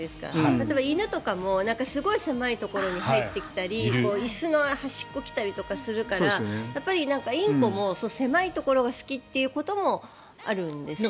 例えば犬とかもすごい狭いところに入ってきたり椅子の端っこに来たりとかするからやっぱりインコも狭いところが好きっていうこともあるんですかね。